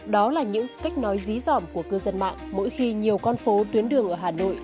đó là những cách nói dí dỏm của cư dân mạng mỗi khi nhiều con phố tuyến đường ở hà nội